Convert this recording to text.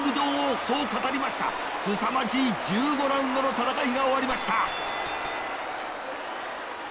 すさまじい１５ラウンドの戦いが終わりました！